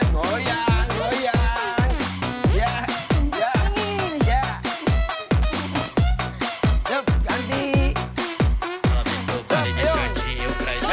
kasih lagu ya kasih lagu musik